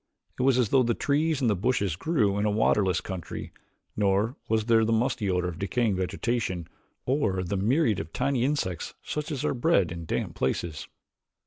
It was as though the trees and the bushes grew in a waterless country, nor was there the musty odor of decaying vegetation or the myriads of tiny insects such as are bred in damp places.